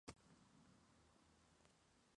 Como resultado, sus contactos quedaron expuestos.